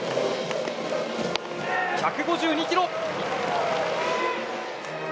１５２キロ！